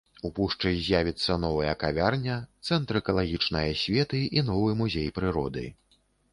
У пушчы з'явіцца новая кавярня, цэнтр экалагічнай асветы і новы музей прыроды.